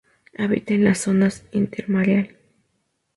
Habita en la zonas intermareal.